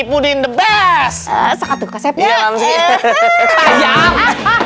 hati hati atuh ganteng